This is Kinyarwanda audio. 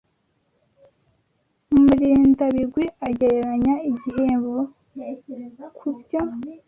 Murindabigwi agereranya ibihembo kubyo.